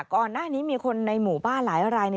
ก่อนหน้านี้มีคนในหมู่บ้านหลายราย